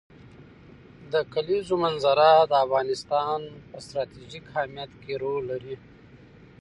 د کلیزو منظره د افغانستان په ستراتیژیک اهمیت کې رول لري.